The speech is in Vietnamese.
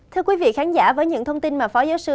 thưa quý vị khán giả với những thông tin mà phó giáo sư